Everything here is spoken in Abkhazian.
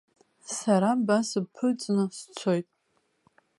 Сара ба сыбԥырҵны сцоит.